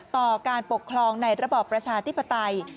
ต่อการปกครองในระบอบประชาธิปไตย